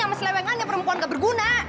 sama selewengan yang perempuan gak berguna